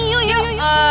yuk yuk yuk